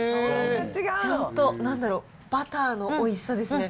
ちゃんと、なんだろう、バターのおいしさですね。